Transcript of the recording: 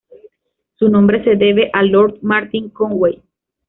Su nombre se debe a Lord Martin Conway.